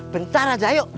bentar aja yuk